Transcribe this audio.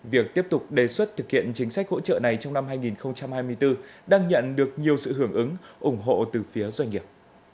việc tiếp tục đề xuất thực hiện chính sách hỗ trợ này trong năm hai nghìn hai mươi bốn đang nhận được nhiều sự hưởng ứng ủng hộ từ phía doanh nghiệp